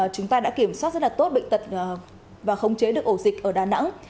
chúng ta đã kiểm soát rất là tốt bệnh tật và khống chế được ổ dịch ở đà nẵng